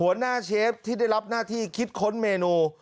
เชฟที่ได้รับหน้าที่คิดค้นเมนู